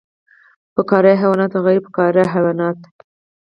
فقاریه حیوانات او غیر فقاریه حیوانات